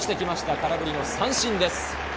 空振りの三振です。